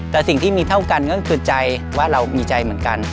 แต่สิ่งที่มีเท่ากันก็คือใจว่าเรามีใจเหมือนกัน